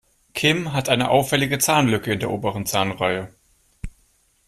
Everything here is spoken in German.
Kim hat eine auffällige Zahnlücke in der oberen Zahnreihe.